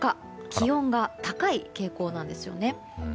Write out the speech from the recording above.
気温が高い傾向なんですよね。